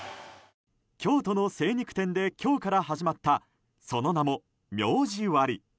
京都の精肉店で今日から始まったその名も、名字割。